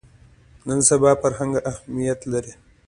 نن سبا فرهنګ اهمیت لري